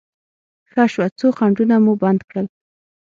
ښه شوه، څو خنډونه مو بند کړل.